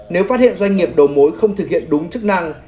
nếu phát hiện doanh nghiệp đầu mối không thực hiện đúng chức năng